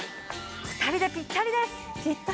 ２人でぴったりです。